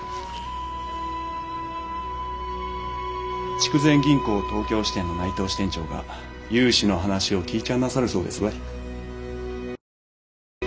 筑前銀行東京支店の内藤支店長が融資の話を聞いちゃんなさるそうですばい。